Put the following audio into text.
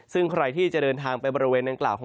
ซึ่งใครที่จะเดินทางไปบริเวณนางกล่าว